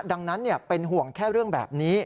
ดังนั้นเป็นห่วงแค่เรื่องแบบนี้